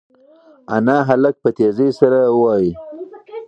انا هلک په تېزۍ سره وواهه.